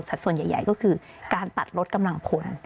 ส่วนใหญ่ก็คือการตัดลดกำลังพล